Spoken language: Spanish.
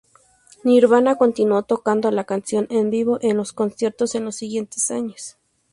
Nirvana continuó tocando la canción en vivo en los conciertos en los siguientes años.